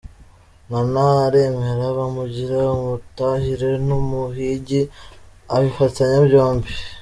Nkana aremera, bamugira umutahira n’umuhigi abifatanya byombi.